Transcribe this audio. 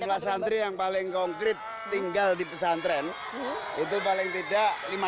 jumlah santri yang paling konkret tinggal di pesantren itu paling tidak lima puluh